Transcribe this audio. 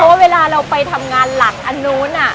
เพราะว่าเวลาเราไปทำงานหลักอันนู้น